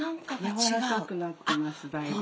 柔らかくなってますだいぶ。